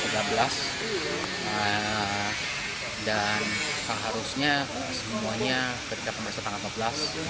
dan seharusnya semuanya ketika pembersihan tanggal empat belas